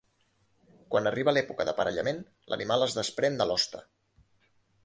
Quan arriba l'època d'aparellament, l'animal es desprèn de l'hoste.